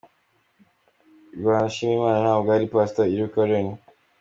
Rwanda Shima Imana ntabwo ari iya Pastor Rick Warren.